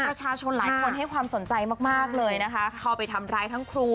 ประชาชนหลายคนให้ความสนใจมากมากเลยนะคะเข้าไปทำร้ายทั้งครู